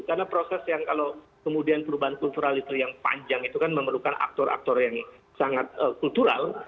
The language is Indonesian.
karena proses yang kalau kemudian perubahan kultural itu yang panjang itu kan memerlukan aktor aktor yang sangat kultural